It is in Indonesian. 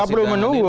tidak perlu menunggu